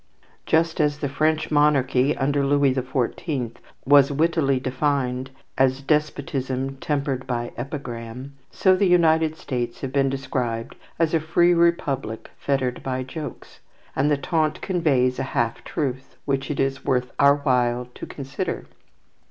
Just as the French monarchy under Louis the Fourteenth was wittily defined as despotism tempered by epigram, so the United States have been described as a free republic fettered by jokes, and the taunt conveys a half truth which it is worth our while to consider.